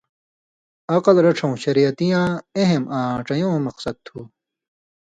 عقل رڇھؤں شریعتیاں اہم آں ڇَیؤں مقصد تُھُو،